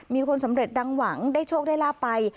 มีคนสำเร็จดังหวังได้โชคได้ลาบไป